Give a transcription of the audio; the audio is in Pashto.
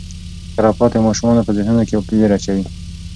خرافات د ماشومانو په ذهنونو کې وېره اچوي.